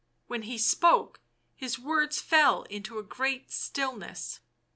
When he spoke his words fell into a great stillness.